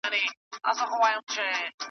د بې عقل جواب سکوت دئ .